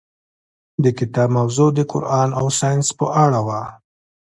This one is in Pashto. د کتاب موضوع د قرآن او ساینس په اړه وه.